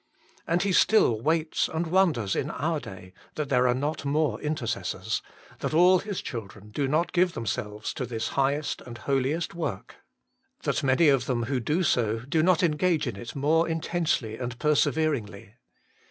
And He still waits and wonders in our day, that there are not more intercessors, that all His children do not give themselves to this highest and holiest work, that many of them who do so, do not engage in it more intensely and perseveringly.